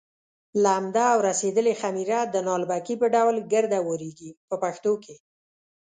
لمده او رسېدلې خمېره د نالبکي په ډول ګرد اوارېږي په پښتو کې.